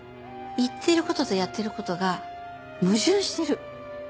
言っている事とやっている事が矛盾してる。